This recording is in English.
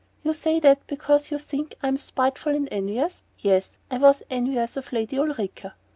"You say that because you think I'm spiteful and envious? Yes I was envious of Lady Ulrica...